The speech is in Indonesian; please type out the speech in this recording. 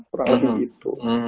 kurang lebih gitu